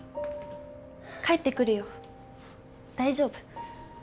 帰ってくるよ大丈夫。